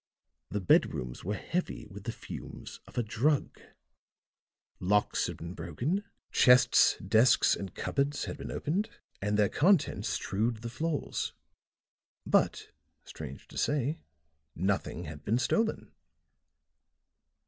The bedrooms were heavy with the fumes of a drug; locks had been broken, chests, desks and cupboards had been opened, and their contents strewed the floors. But, strange to say, nothing had been stolen.